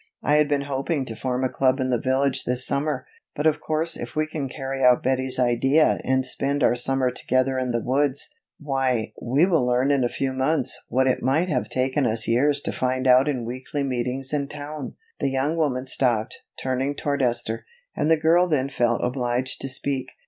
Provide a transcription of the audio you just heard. I had been hoping to form a club in the village this summer, but of course if we can carry out Betty's idea and spend our summer together in the woods, why we will learn in a few months what it might have taken us years to find out in weekly meetings in town." The young woman stopped, turning toward Esther, and the girl then felt obliged to speak.